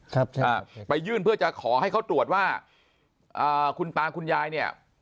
ครับใช่ไปยื่นเพื่อจะขอให้เขาตรวจว่าอ่าคุณตาคุณยายเนี่ย